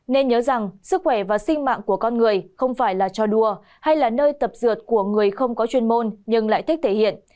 nên nhớ rằng sức khỏe và sinh mạng của con người không phải là cho đua hay là nơi tập dượt của người không có chuyên môn nhưng lại thích thể hiện